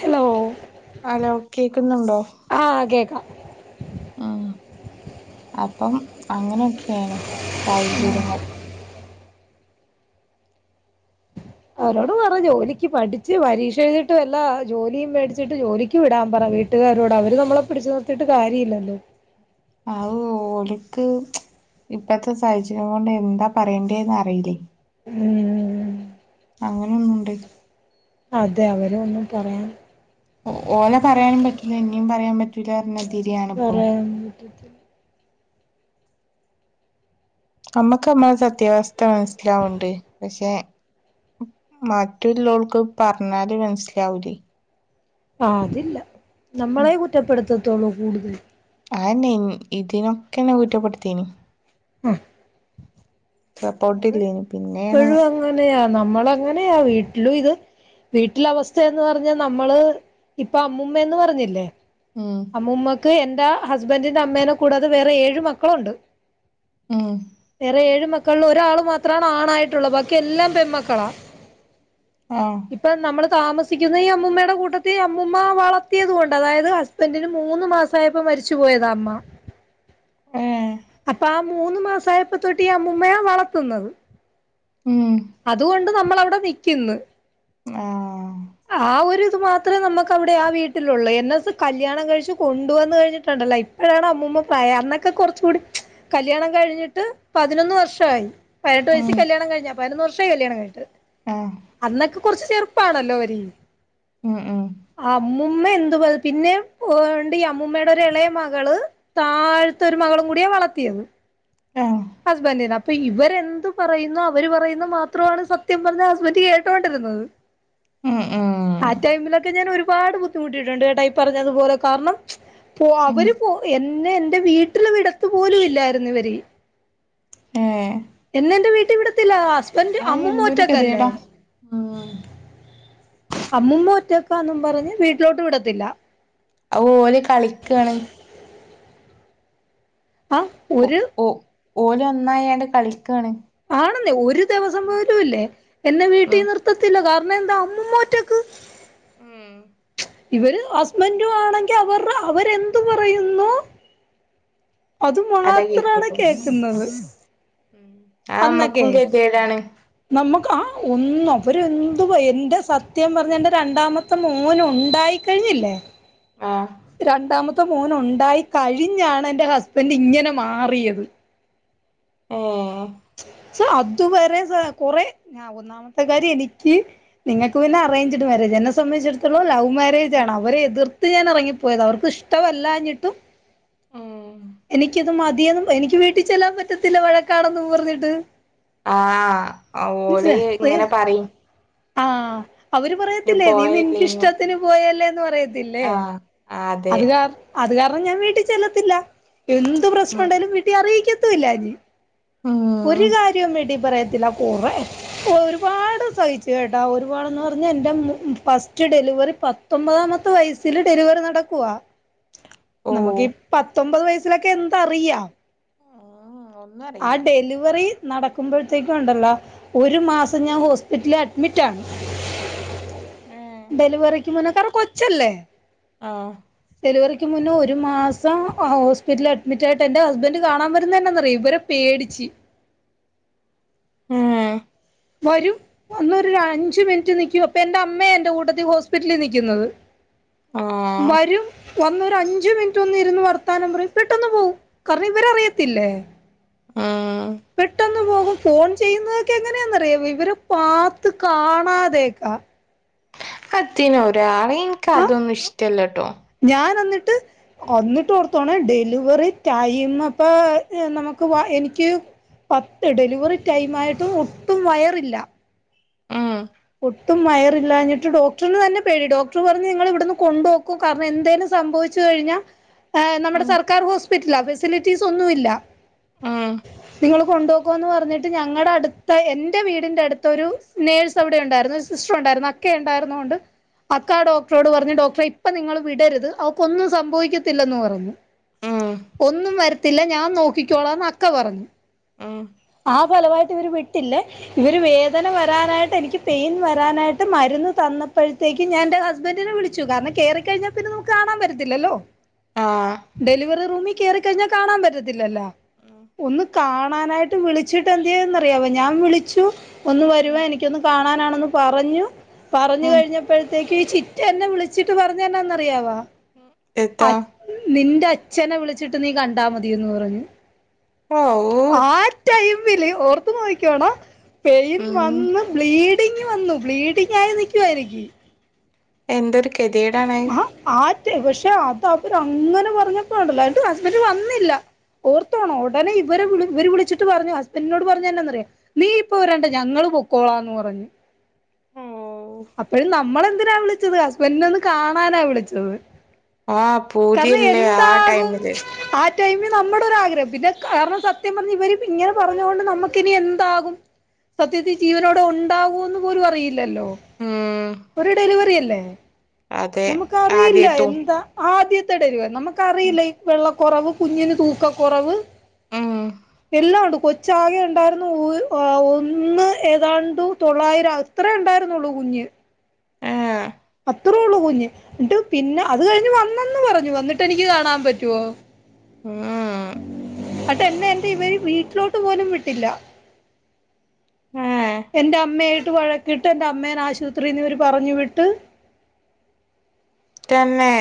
Hello hello കേക്കുന്നുണ്ടോ ആഹ് കേക്കാം ഉം അപ്പം അങ്ങനെയൊക്കെയാണ് സാഹചര്യങ്ങൾ അവരോട് പറ ജോലിക്ക് പഠിച്ച് പരീക്ഷ ഏഴുതീട്ട് വല്ലാ ജോലിയും മേടിച്ചിട്ട് ജോലി ക്ക് വിടാൻ പറ വീട്ടുകാരോട് അവര് നമ്മളെ പിടിച്ച് നിർത്തിയിട്ട് കാര്യവില്ലല്ലോ അത് ഓലിക്ക് ഇപ്പത്തെ സാഹചര്യം കൊണ്ട് എന്താ പറയേണ്ടേന്ന് അറിയില്ലേ ഉം അങ്ങനെ ഒന്നുണ്ട് അതെ അവരെ ഒന്നും പറയാൻ ഓലെ പറയാനും പറ്റൂല്ല ഇനിയും പറയാൻ പറ്റൂല്ല പറഞ്ഞത് പറയാൻ പറ്റത്തില്ല നമ്മക്ക് നമ്മടെ സത്യാവസ്ഥ മനസ്സിലാവണ്ട് പക്ഷെ മറ്റുള്ളവൾക്ക് പറഞ്ഞാലും മനസ്സിലാവൂലേ ആഹ് അതില്ല നമ്മളെയെ കുറ്റപ്പെടുത്തത്തൊള്ളൂ കൂടുതല് അതന്നെ ഇതിനൊക്കെ എന്നെ കുറ്റപ്പെടുത്തീനി ആഹ അത് സപ്പോർട്ടില്ലേനി പിന്നേണ് എപ്പഴും അങ്ങനെയാ നമ്മളങ്ങനെയാ വീട്ടിലും ഇത് വീട്ടിലെ അവസ്ഥയെന്ന് പറഞ്ഞാ നമ്മള് ഇപ്പ അമ്മൂമ്മയെന്ന് പറഞ്ഞില്ലേ ഉം അമ്മൂമ്മക്ക് എന്റെ ഹസ്ബഡിൻ്റെ അമ്മേനെ കൂടാത വേറെ ഏഴ്‌ മക്കളുണ്ട് ഉം വേറെ ഏഴ് മക്കളിൽ ഒരാള് മാത്രമാണ് ആണായിട്ടുള്ളത് ബാക്കി എല്ലാം പെൺ മക്കളാ ആഹ് ഇപ്പം നമ്മള് താമസിക്കുന്ന ഈ അമ്മൂമ്മയുടെ കൂട്ടത്തിൽ അമ്മൂമ്മ വളർത്തിയത് കൊണ്ടാ അതായത് ഹ സ്ബന്റിന് മൂന്ന് മാസം ആയപ്പോ മരിച്ച് പോയതാ അമ്മ [unintelligible] ഏഹ് അപ്പൊ ആ മൂന്ന് മാസം ആയപ്പോ തൊട്ട് ഈ അമ്മൂമ്മയാ വളർത്തുന്നത് ഉം അതുകൊണ്ട് നമ്മൾ അവിടെ നിക്കുന്നു ആഹ് ആഹ് ഒരു ഇത് മാത്രവേ നമുക്ക് അവിടെ ആ വീട്ടിലുള്ളൂ എന്നെയൊക്ക കല്യാണം കഴിച്ച് കൊണ്ട് വന്ന് കഴിഞ്ഞിട്ടുണ്ടല്ലോ ഇ അപ്പഴാണ് അമ്മൂമ്മ പ്രായം ആയത് അന്നൊക്കെ കുറച്ചൂടി കല്യാണം കഴിഞ്ഞിട്ട് പതിനൊന്ന് വർഷമായി പതിനെട്ട് ഉം വയസിൽ കല്യാണം കഴിഞ്ഞതാ പതിനൊന്ന് വർഷവായി കല്യാണം കഴിഞ്ഞിട്ട് ആഹ് അന്നൊക്കെ കുറച്ച് ചെറുപ്പാണല്ലോ അവര് ഉം ഉം അമ്മൂമ്മ എന്ത്‌ പിന്നെ ഒണ്ട് ഈ അമ്മൂമ്മയുടെ ഒര് ഇളയ മകള് താഴത്തെ ഒരു മകളും കൂടിയാ വളത്തിയത് ആഹ് ഹസ്ബൻഡിന് അപ്പൊ ഇവരെന്ത് പറയുന്നോ അവര് പറയുന്ന മാത്രമാണ് സത്യം പറഞ്ഞ ഹസ്ബൻഡ് കേട്ടോണ്ടിരുന്നത് ഉം ഉം ആ ടൈമിലൊക്കെ ഞാൻ ഒരുപാട് ബുദ്ധിമുട്ടിയിട്ടുണ്ട് കേട്ടോ ഈ പറഞ്ഞതുപോലെ കാരണം പോ ഉം അവര് പോ എ ന്നെ എന്റെ വീട്ടില് വിടത്ത് പോലും ഇല്ലായിരുന്നു ഇവര് ഏ എന്നെ എന്റെ വീട്ടിൽ വിടത്തില്ല ഹസ്ബൻഡ് അയ് അമ്മൂമ്മ എന്തൊരു ഒറ്റക്കല്ലേ ഗതികേടാ ഉം അമ്മൂമ്മ ഒറ്റക്കാ എന്നും പറഞ്ഞ് വീട്ടിലോട്ട് വിടത്തില്ല അവ് ഓൽ കളിക്കാണ് ആ ഓ ഒരു ഓ ഓല ഒന്നായാണ്ട് കളിക്കാണ് ആണെന്നേ ഒരു ദിവസം പോലുംല്ലേ എന്നെ വീട്ടിൽ ഉം നിർത്ത വിടത്തില്ല കാരണം എന്താ അമ്മ ഒറ്റക്ക് ഉം ഇവര് ഹസ്ബൻ്റ് ആണെങ്കിൽ അവർ അവരെന്ത് പറയുന്നു അത് മാത്രാണ് കേക്കുന്നത് ആ അമ്മക്കും കെതിയേട് ആണ് നമ്മുക്ക് ആ ഒന്നും ഓരെന്തും എൻ്റെ സത്യം പറഞ്ഞ എന്റെ രണ്ടാമ മത്തെ മോനുണ്ടായിക്കഴിഞ്ഞില്ലേ ആഹ് രണ്ടാമ മത്തെ മോനുണ്ടായി കഴിഞ്ഞാണ് എൻ്റെ ഹസ്ബൻ്റ് ഇങ്ങനെ മാറിയത് ഏഹ് ക്ഷെ അതുവരെ കൊറെ ഒന്നാമത്തെ കാര്യം എനിയ്ക്ക് നിങ്ങൾക്ക് പിന്നെ അറെയ്ഞ്ചിട് മാരേജ എന്നെ സംബന്ധിച്ചെടത്തോളം ലൗ ഉം മാരേജാണ് അവരെ എതിർത്ത് ഞാൻ എറങ്ങിപ്പോയത അവർക്ക് ഇഷ്ടവല്ലാഞ്ഞിട്ടും ഉം എനിയ്ക്കിത് മതിയെന്നും എനിയ്ക്ക് വീട്ടി ചെല്ലാൻ പറ്റത്തില്ല വഴക്കാണെന്നും പറഞ്ഞിട്ട് ആഹഓൽ ഇങ്ങനെ പറിം ആഹ അവര് പറയത്തില്ലേ നീ നിൻ്റെ പോയല്ലേനു ഇഷ്ടത്തിന് പോയല്ലേന്ന് പറയ തില്ലെ ആഹ് അതെ അത് കാ അത് കാരണം ഞാൻ വീട്ടി ചെല്ലത്തില്ല എന്ത് പ്രശ്നം ഉം ഉണ്ടേലും വീട്ടീ അറിയിക്കത്തില്ലായിരുന്നു ഒരു ഉം കാര്യവും വീട്ടി പറയത്തില്ല കൊറേ ഒരുപാട് സഹിച്ചു കെട്ടൊ ഒരുപാട്ന്ന് പറഞ്ഞ എൻ്റെ ഫസ്റ്റ് ഡെലിവറി പ പത്ത്ഒമ്പതാമത്തെ വയസ്സില ഡെലിവറി നടക്കുവാ [inaudible] ഓഹ് നമുക്ക് ഈ പത്തൊമ്പത് വയസിലൊക്കെ എന്തറിയാം ഉം ഒന്നും ആ അറിയില്ല ഡെലിവറി നടക്കുമ്പോഴത്തേക്കും ഉണ്ടല്ലോ ഒരു മാസം ഞാൻ ഹോസ്പിറ്റലില് അഡ്മിറ്റാണ് ഏഹ് ഡെലിവറിയ്ക്ക് മുന്നെ കാരണം കൊച്ചല്ലേ ആഹ് ഡെലിവറിക്ക് മുന്നേ ഒരു മാസം ഹോസ്പിറ്റലിൽ അഡ്മിറ്റായിയിട്ട് എൻ്റെ ഹസ്ബൻഡ് കാണാൻ വരുന്നതെന്നാ ന്നറിയോ ഇവര് പേടിച്ച് ഉം വരും അന്ന് ഒരു അഞ്ചു മിനിറ്റ് നിയ്ക്കും അപ്പൊ എന്റെ അമ്മയ എൻ്റെ കൂട്ടത്തി ഹോസ്പിറ്റലില് നിയ്ക്കുന്നത് ആഹ വരും വന്നൊരു അഞ്ചു മിനിറ്റ് ഒന്ന് ഇരുന്ന് വർത്താനം പറിം പെട്ടന്ന് പോവും കാരണം ഇവരറിയത്തില്ലേ ഉം പെട്ടന്ന് പോകും ഫോൺ ചെയ്യുന്നതൊക്കെ എങ്ങനെ ന്ന റിയൊ ഇവര് പാത്ത് കാണാതെ ഒക്കാ അത് എത്തിനാ ഒരാള് ഇൻക്ക് ആ അതൊന്നും ഇഷ്ടല്ലട്ടോ ഞാൻ എന്നിട്ട് അന്നിട്ട് ഓർത്തോണെ ഡെലിവറി ടൈ മപ്പൊ നമുക്ക് എനിക്ക് പത്ത് ഡെലിവറി ടൈം ആയിട്ടും ഒട്ടും വയറില്ല ആഹ് ഒട്ടും വയറില്ലാഞ്ഞിട്ട് ഡോക്ടറിന് തന്നെ പേടി ഡോക്ടറ് പറഞ്ഞ് നിങ്ങള് ഇവിടന്ന് കൊണ്ട് പൊക്കൊ കാരണം എന്തേലും സംഭവിച്ചു കഴിഞ്ഞാ [inaudible] ആഹ്‌ നമ്മടെ ഉം സർക്കാർ ഹോസ്പിറ്റല ഫെസിലിറ്റീസ് ഒന്നു ഇല്ല ഉം നിങ്ങള് കൊണ്ടൊ ക്കോന്ന് പറഞ്ഞിട്ട് ഞങ്ങടെ അടുത്ത എന്റെ വീടിന്റെ അടുത്ത് ഒരു നേഴ് സ് അവടെ ഒണ്ടാരുന്നു ഒരു സിസ്റ്റർ ഒണ്ടാരുന്നു അക്കെ ഒണ്ടാരുന്നൊണ്ട് അക്കാ ആ ഡോക്ടറോട് പറഞ്ഞു ഡോക്ടറെ ഇപ്പ നിങ്ങൾ വിടരുത് അവക്കൊന്നും സംഭവിക്കത്തില്ലന്ന് പറഞ്ഞു [inaudible] ഒന്നും വരത്തില്ല ഞാൻ നോയ്ക്കിക്കോളാന്ന് അക്ക പറഞ്ഞു ഉം ആ ഫലവായിട്ട് ഇവര് വിട്ടില്ലേ ഇവര് വേദന വരാനായിട്ട് എനിക്ക് പെയിൻ വരാനായിട്ട് മരുന്ന് തന്നപ്പഴത്തേക്ക് ഞാൻ എന്റെ ഹസ്ബൻഡറിനെ വിളി ഷുഗർന് കേറി കഴിഞ്ഞാ പിന്നെ നമക്ക് കാണാൻ പറ്റത്തില്ലല്ലോ ആഹ് ഡെലിവറി റൂമി കേറിക്കഴിഞ്ഞാ കാണാൻ പറ്റത്തില്ലല്ലോ ഉം ഒന്ന് കാണാനായി ട്ട് വിളിച്ചിട്ട് എന്ത് ചെയ്യന്നറിയാവോ ഞാൻ വിളിച്ചു ഒന്ന് ഉം വരുവാ എനിക്കൊന്ന് കാണാനാണന്ന് പറഞ്ഞു പറഞ്ഞു ഉം കഴിഞ്ഞ പ്പഴത്തേക്ക് ഈ ചിറ്റ എന്നെ വിളിച്ചിട്ട് പറഞ്ഞന്നാന്നറിയാവോ അ എത്താ നിന്റെ അച്ഛനെ വിളിച്ചിട്ട് നീ കണ്ടാ മതിന്ന് പറഞ്ഞ് ഓഹ് ആ ടൈമില് ഓർത്ത് നോക്ക്യോണം പെയിൻ ഉം വന്ന് ബ്ലീ ഡിങ് വന്നു ബ്ലീഡിംഗായി നിക്കുവാ എനിക്ക് എന്തൊരു കെതിയെടാണ് ആറ്റെ പഷേ അതാവര് അങ്ങനെ പറഞ്ഞപ്പോണ്ടല്ലോ എന്റെ ഹസ്ബൻ്റ് വന്നില്ല ഓർത്തോണോ ഒടനെ ഇവര് വിളി ഇവര് വിളിച്ചിട്ട് പറഞ്ഞു ഹസ്ബൻ്റിനോട് പറഞ്ഞേ എന്നനാറിയോ നീ ഇപ്പോ വരണ്ട ഞങ്ങള് പൊക്കോളാന്ന് പറഞ്ഞ് ഓഹ് അപ്പഴും നമ്മളെന്തിനാ വിളിച്ചത് ഹസ്ബൻ്റിനെ ഒന്ന് കാണാനാ വിളിച്ചത് ആഹ് കാരണം പൂതിയല്ലേ ആ എന്താകും ടൈമില് ആ ടൈമി നമ്മടെ ഒരാഗ്രഹം പിന്നെ കാരണം സത്യം പറഞ്ഞ് ഇവര് ഇങ്ങനെ പറഞ്ഞോണ്ട് നമുക്കിനി എന്താകും സത്യത്തി ജീവനോടെ ഒണ്ടാകൂന്ന് പോലും അറിയി ല്ലല്ലോ ഉം ഒരു ഡെലിവറി അല്ലേ അതെ നമക്ക് അറിയില്ല എ ആദ്യത്തും ന്താ ആദ്യത്തെ ഡെലിവറി നമുക്കറിയില്ല ഈ വെള്ളക്കൊറവ് കുഞ്ഞിന് തൂക്കക്കൊറവ് ഉം എല്ലാം ഒണ്ട് കൊ ചാകെ ഒണ്ടാര്ന്നു ഓ ആഹ് ഒന്ന് ഏതാണ്ട് തൊള്ളായിരം അത്രേ ഒണ്ടാരുന്നുള്ളൂ കുഞ്ഞ് ഏഹ് അത്രേള്ളൂ കുഞ്ഞ് എന്നിട്ട് പിന്നെ അത് കഴിഞ്ഞ് വന്നന്ന് പറഞ്ഞു വന്നിട്ട് എനിക്ക് കാണാൻ പറ്റുവോ ആഹ് അട്ട് എന്നെ എന്റെ ഇവര് വീട്ടിലോട്ട് പോലും വിട്ടില്ല ഏഹ് എൻ്റെ അമ്മയായിട്ട് വഴക്കിയിട്ട് എൻ്റെ അമ്മേനെ ആശുപത്രിന് ഇവര് പറഞ്ഞ് വിട്ട് തന്നെ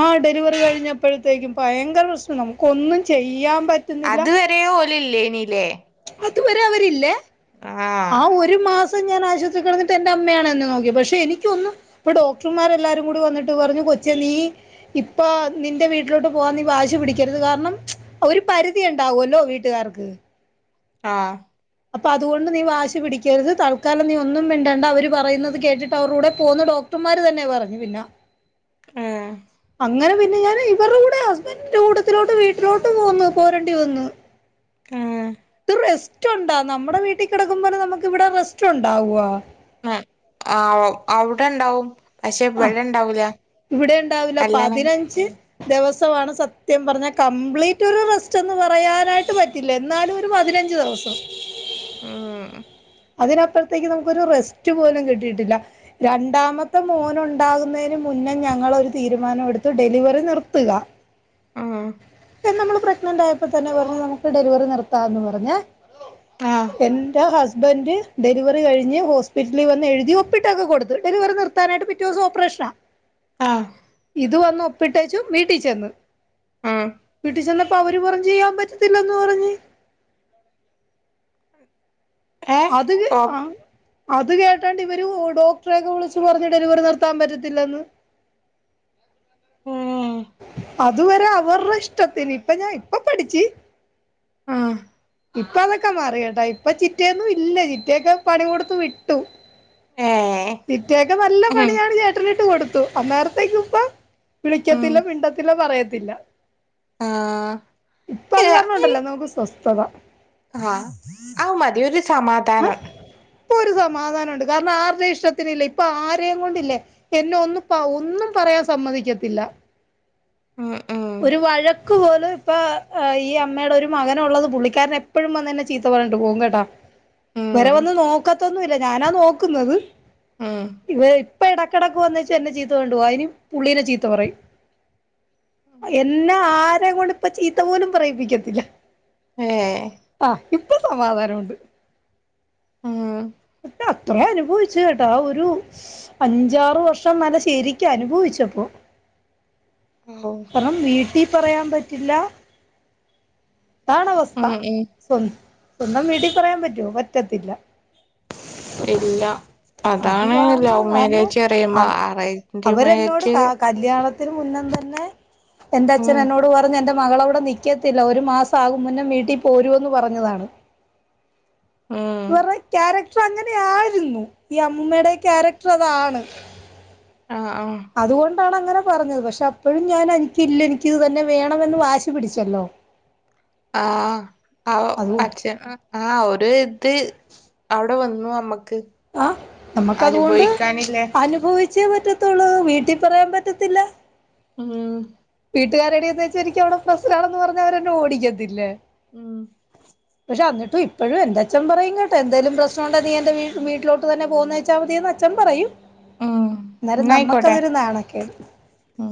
ആഹ് ഡെലിവറി കഴിഞ്ഞപ്പഴത്തേക്കും ഭയങ്കര പ്രശ്നം നമുക്കൊന്നും ചെയ്യാൻ പറ്റ അത് വരെ ഓല് ഇല്ലേനി ലേ അതുവരെ അവരില്ലേ ആഹ് ആ ഒര രു മാസം ഞാൻ ആശുപത്രി കെടന്നിട്ട് എന്റെ അമ്മയാണെന്നെ നോക്കിയെ പക്ഷെ എനിക്കൊന്നും പ്പോ ഡോക്ടർമാർ എല്ലാരും കൂടി വന്നിട്ട് പറഞ്ഞു കൊച്ചേ നീ ഇപ്പോ നിന്റെ വീട്ടിലോട്ട് പോവാൻ നീ വാശി പിടിക്കരുത് കാരണം ഒരു പരിധി ഉണ്ടാവുല്ലോ വീട്ടുകാർക്ക് ആഹ് അപ്പൊ അതുകൊണ്ട് നീ വാശി പിടിക്കരുത്. തൽക്കാലം നീ ഒന്നും മിണ്ടണ്ട അവര് പറയുന്നത് കേട്ടിട്ട് അവരൂടെ പോകുന്ന ഡോക്ട ത്തുമാര് തന്നെ പറഞ്ഞു പിന്നെ ഉം അങ്ങനെ പിന്നെ ഞാൻ ഇവരുടെ കൂടെ ഹസ്ബൻ്റിന്റെ കൂട്ടത്തിലോട്ട് വീട്ടിലോട്ട് പോന്നു പോരേണ്ടി വന്നു ആഹ് റെസ്റ്റ് ഉണ്ടാ നമ്മുടെ വീട്ടിൽ കിടക്കുമ്പോലെ നമുക്ക് ഇവിടെ റസ്റ്റ് ഉണ്ടാവോ [unintelligible] ആ അവ്ടെ ഉണ്ടാവും പക്ഷെ ആഹ് ഇവടെ ഇണ്ടാവൂല ഇവിടെ ഉണ്ടാവില്ല കല്യാണം പതിനഞ്ച് ദിവസമാണ് സത്യം പറഞ്ഞാൽ കംപ്ലീറ്റ് ഒരു റെസ്റ്റ് എന്ന് പറയാനായിട്ട് പറ്റില്ല എന്നാലും ഒരു പതിനഞ്ച് ദിവ [unintelligible] ഉം അതിനപ്പുറത്തേക്ക് നമുക്കൊരു റെസ്റ്റ് പോലും കിട്ടിയിട്ടില്ല രണ്ടാമത്തെ മോനുണ്ടാകുന്നതിന് മുന്നേ ഞങ്ങളൊരു തീരുമാനമെടുത്ത് ഡെലിവറി നിർത്തുക ഉം നമ്മള് പ്രഗ്‌നന്റ് ആയപ്പോ തന്നെ പറഞ്ഞ് നമുക്ക് ഡെലിവറി നിർത്താന്ന് പറഞ്ഞ് ആഹ് എൻ്റെ ഹസ് സ്ബന്റെ ഡെലിവറി കഴിഞ്ഞ് ഹോസ്പിറ്റലിൽ വന്ന് എഴുതി ഒപ്പിട്ടൊക്കെ കൊടുത്ത് ഡെലിവറി നിർത്താനായിട്ട് പിറ്റ ദിവസം ഓപ്പറേഷനാ. ആഹ് ഇത് വന്ന് ഒപ്പിട്ടേച്ചു വീട്ടിൽ ചെന്ന്. ആഹ് വീട്ടീ ചെന്നപ്പോ അവര് പറഞ്ഞ് യ്യാൻ പറ്റത്തില്ല എന്ന് പറഞ്ഞ്. ഏ അത്ക് ആ അത് കേട്ടാണ്ട് ഇവര് ഡോക്ടറെ ഒക്കെ വിളിച്ച് പറഞ്ഞ് ഡെലിവറി നിർത്താൻ പറ്റത്തില്ലന്ന്. ഉം അതുവരെ അവരുടെ ഇഷ്ടത്തിന് ഇപ്പ ഞാൻ ഇപ്പ പഠിച്ച് ആഹ് ഇപ്പ അതൊക്കെ മാറി കേട്ടാ ഇപ്പ ചിറ്റയൊന്നും ഇല്ല ചിറ്റയൊക്കെ പണി കൊടുത്ത് വിട്ടു. ഏഹ് ചിറ്റയൊക്കെ നല്ല ഉം പണിയാണ് ചേട്ട നീട്ട്കൊടുത്തു. അന്നേരത്തേക്ക്പ്പ ഉം പിന്നെ പിണ്ടത്തില്ലാ പറയത്തില്ല ആഹ് ഇപ്പൊ അത് ഏഹ് കാരണണ്ടല്ലോ നമുക്ക് സ്വസ്ഥത. ആഹ് അത് മതി ഒരു സമാധാനം. ഇപ്പൊ ഒരു സമാധാനണ്ട് കാരണം ആരുടെ ഇഷ്ടത്തിനില്ല ഇപ്പൊ ആരെയും കൊണ്ടില്ലേ. എന്നെ ഒന്നും ഒന്നും പറയാൻ സമ്മതിക്കത്തില്ല. ഉം ഉം ഒരു വഴക്ക് പോലും. ഇപ്പ ഈ അമ്മയുടെ ഒരു മകനുള്ളത് പുള്ളിക്കാരൻ എപ്പഴും വന്ന് എന്നെ ചീത്ത പറഞ്ഞിട്ട് പോകും കേട്ടോ. ഉം ഇവരെ വന്നു നോക്കാത്തൊന്നുല്ല ഞാനാ നോക്കുന്നത്. ഉം ഇവര് ഇപ്പ ഇടക്കിടയ്ക്ക് വന്നച്ച എന്നെ ചീത്ത കണ്ടുപോവാ അയ്ന് പുള്ളീനെ ചീത്ത പറയും. എന്നെ ആരെ കൊണ്ട് ഇപ്പ ചീത്ത പോലും പറയിപ്പിക്കത്തില്ല. ഏഹ് ആഹ് ഇപ്പൊ സമാധാനണ്ട്. ഉം അത്ര അനുഭവിച്ചു കേട്ടാ ആ ഒരു അഞ്ചാറ് വർഷം നല്ല ശരിക്ക അനുഭവിച്ചപ്പോ [unintelligible] പ്പം വീട്ടിൽ പറയാൻ പറ്റില്ല ഇതാണ് അവസ്ഥ. ഉം ഉം സ്വ സ്വന്തം വീട്ടിപറയാൻ പറ്റോ പറ്റത്തില്ല. ഇല്ല അത് അതാണ് കാരണം ലവ് കാരണം മാരേജ് അവ പറയുമ്പോ അവരെന്നോട് ആറന്റെമേജ് ക കല്യാണത്തിന് മുന്നും തന്നെ എന്റെ അച്ഛൻ ഉം എന്നോട് പറഞ്ഞ് എന്റെ മകളവിടെ നിക്കത്തില്ല ഒരു മാസം ആകും മുന്നും വീട്ടിൽ പോരുന്ന് പറഞ്ഞതാണ്. ഉം വരുടെ ക്യാരക്ടർ അങ്ങനെയിരുന്നു ഈ അമൂമയുടെ ക്യാരക്ടർ അതാണ്. ആഹ് ആഹ് അതുകൊണ്ടാണ് അങ്ങനെ പറഞ്ഞത് പക്ഷേ അപ്പോഴും ഞാൻ എനിക്കില്ല എനിക്കിത് തന്നെ വേണമെന്ന് വാശി പിടിച്ചല്ലോ. ആഹ് ആ അത് അഛെ ആഹ് ഒരു ഇത് അവിടെ വന്നു അമ്മക്ക്. ആഹ് നമുക്കതുകൊണ്ട് അനുഭവിച്ചേ പറ്റത്തുള്ളൂ വീട്ടിൽ പറയാൻ പറ്റത്തില്ല. ഉം വീട്ടുകാരടെന്ന് എനിക്ക് അവിടെ പ്രശസനാണെന്ന് പറഞവരെന്നേ ഓടിക്കത്തില്ലേ. ഉം പക്ഷേ എന്നിട്ടും ഇപ്പോഴും എന്റെ അച്ഛൻ പറയും കേട്ടെ എന്തേലും പ്രശ്നമുണ്ട് നീ എന്റെ വീട്ടിലട്ട് തന്നെ പോന്നച്ചാൽ മതി അച്ചൻ പറയൂ ഉം എന്നേരം എന്നായിക്കോട്ടെ നമ്മക്കതൊരു നാണക്കെട്. ഉം